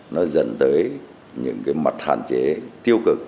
nó dẫn tới những mặt hạn chế tiêu cực